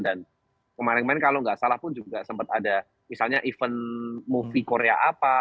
dan kemarin kalau nggak salah pun juga sempat ada misalnya event movie korea apa